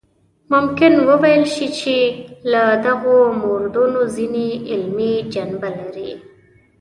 ممکن وویل شي چې له دغو موردونو ځینې علمي جنبه لري.